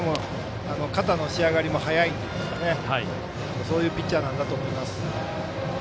肩の仕上がりも早いということでそういうピッチャーなんだと思います。